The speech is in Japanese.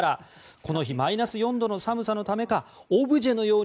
この日マイナス４度の寒さのためかオブジェのように